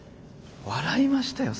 笑いましたよ